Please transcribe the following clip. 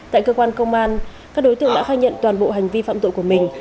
tại cơ quan công an các đối tượng đã khai nhận toàn bộ hành vi phạm tội của mình